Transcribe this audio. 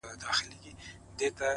پوهه د راتلونکو نسلونو رڼا ده؛